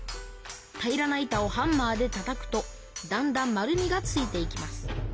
平らな板をハンマーでたたくとだんだん丸みがついていきます。